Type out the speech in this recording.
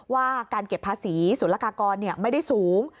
ว่าการเก็บภาษีศูนย์ละกากรไม่ได้สูง